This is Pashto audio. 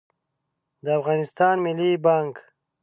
د افغانستان ملي بانګ